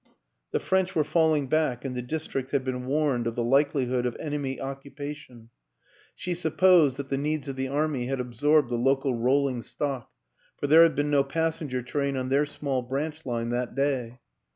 The French were falling back and the district had been warned of the likelihood of enemy occupation; WILLIAM AN ENGLISHMAN 173 she supposed that the needs of the army had ab sorbed the local rolling stock, for there had been no passenger train on their small branch line that day.